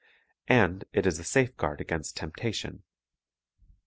And it is a safeguard against temptation.